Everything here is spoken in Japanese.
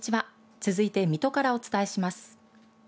続いて水戸からお伝えします。